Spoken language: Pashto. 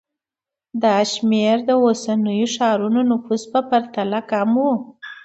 دا شمېر د اوسنیو ښارونو نفوس په پرتله کم و